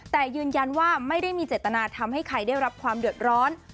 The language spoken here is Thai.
แต่ยืนยันว่าไม่ได้มีเจตนาทำให้ใครได้รับความเดือดร้อน